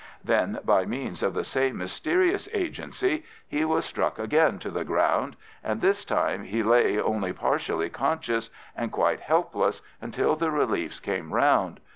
Then, by means of the same mysterious agency, he was struck again to the ground, and this time he lay only partially conscious and quite helpless until the reliefs came round.